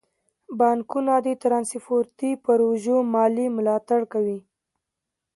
بانکونه د ترانسپورتي پروژو مالي ملاتړ کوي.